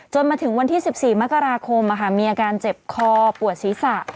มาถึงวันที่๑๔มกราคมมีอาการเจ็บคอปวดศีรษะ